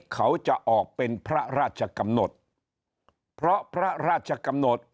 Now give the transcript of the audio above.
เขาจะออกเป็นพระราชกำหนดเพราะพระราชกำหนด